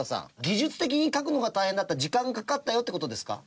技術的に描くのが大変だった時間かかったよって事ですか？